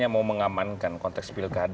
jadi kalau saya lakukan itu itu saya lakukan